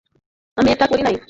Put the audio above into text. আমি এটা করি নাই।